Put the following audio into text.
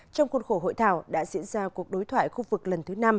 trong khuôn khổ hội thảo đã diễn ra cuộc đối thoại khu vực lần thứ năm